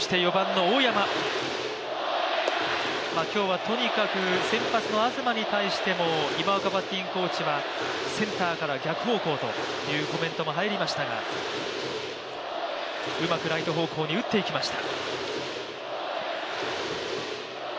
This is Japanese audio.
今日はとにかく先発の東に対しても、今岡バッティングコーチはセンターから逆方向というコメントも入りましたがうまくライト方向に打っていきました。